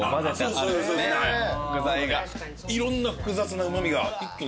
いろんな複雑なうま味が一気にくるので。